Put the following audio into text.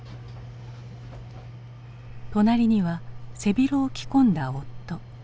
隣には背広を着込んだ夫。